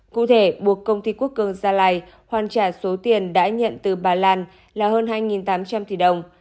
cụ thể buộc công ty quốc cường gia lai hoàn trả số tiền đã nhận từ bà lan là hơn hai tám trăm linh tỷ đồng